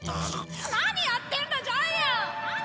何やってんだジャイアン！